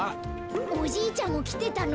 おじいちゃんもきてたの？